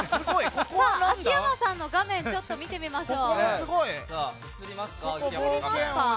秋山さんの画面見てみましょう。